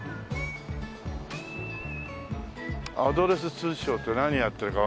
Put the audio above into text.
「アドレス通商」って何やってるかわかんない。